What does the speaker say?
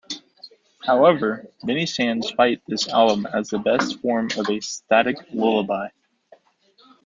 However, many fans cite this album as the best from A Static Lullaby.